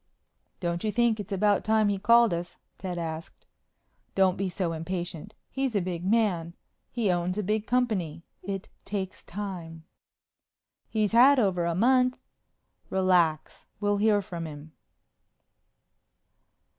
"Don't you think it's about time he called us?" Ted asked. "Don't be so impatient. He's a big man. He owns a big company. It takes time." "He's had over a month." "Relax. We'll hear from him."